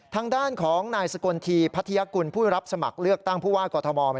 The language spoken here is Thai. ทางด้านของนายสกลทีพัทยากุลผู้รับสมัครเลือกตั้งผู้ว่ากอทม